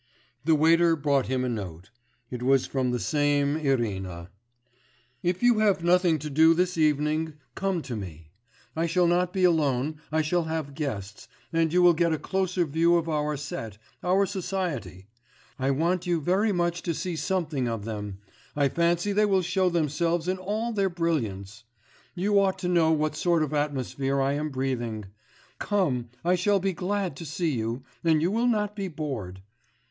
The waiter brought him a note: it was from the same Irina: 'If you have nothing to do this evening, come to me; I shall not be alone; I shall have guests, and you will get a closer view of our set, our society. I want you very much to see something of them; I fancy they will show themselves in all their brilliance. You ought to know what sort of atmosphere I am breathing. Come; I shall be glad to see you, and you will not be bored.